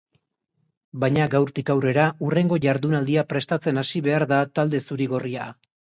Baina gaurtik aurrera hurrengo jardunaldia prestatzen hasi behar da talde zuri-gorria.